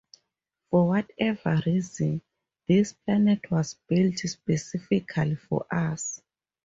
For whatever reason, this planet was built specifically for us.